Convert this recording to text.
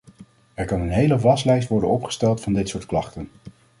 Er kan een hele waslijst worden opgesteld van dit soort klachten.